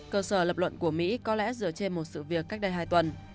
cơ sở lập luận của mỹ có lẽ dựa trên một sự việc cách đây hai tuần